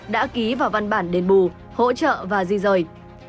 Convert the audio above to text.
đã ký vào văn bản đền bù hỗ trợ và di rời